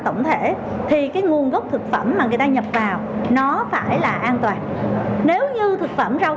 tổng thể thì cái nguồn gốc thực phẩm mà người ta nhập vào nó phải là an toàn nếu như thực phẩm rau